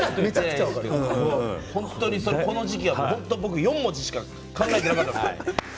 この時期、僕４文字しか考えていなかったです。